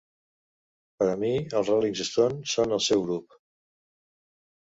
Per a mi, els Rolling Stones són el seu grup.